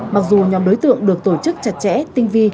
mặc dù nhóm đối tượng được tổ chức chặt chẽ tinh vi